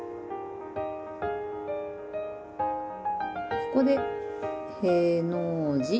ここで「への字」。